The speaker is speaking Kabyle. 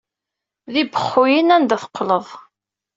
D ibexxuyen anda teqqleḍ.